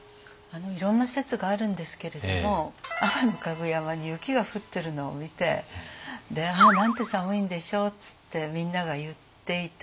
いろんな説があるんですけれども天香具山に雪が降ってるのを見て「ああなんて寒いんでしょう」っつってみんなが言っていた。